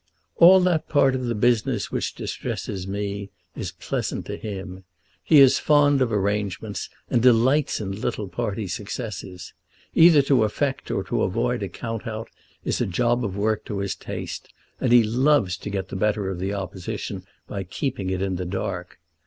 "All that part of the business which distresses me is pleasant to him. He is fond of arrangements, and delights in little party successes. Either to effect or to avoid a count out is a job of work to his taste, and he loves to get the better of the Opposition by keeping it in the dark.